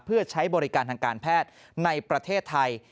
เพื่อใช้บริการทางการแพทย์ในประเทศไทย